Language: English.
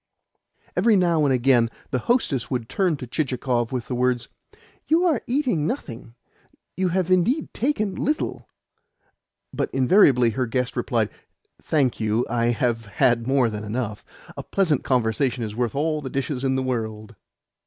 Every now and again the hostess would turn to Chichikov with the words, "You are eating nothing you have indeed taken little;" but invariably her guest replied: "Thank you, I have had more than enough. A pleasant conversation is worth all the dishes in the world."